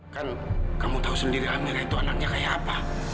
kan kamu tahu sendiri amira itu anaknya kayak apa